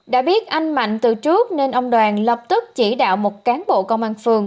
đã biết anh mạnh từ trước nên ông đoàn lập tức chỉ đạo một cán bộ công an phường